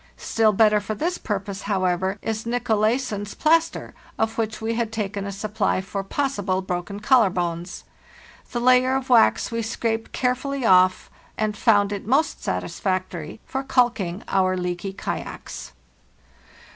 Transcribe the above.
Still better for this purpose, however, is Nicolaysen's plas ter, of which we had taken a supply for possible broken collar bones. The layer of wax we scraped carefully off and found it most satisfactory for calking our leaky kayaks.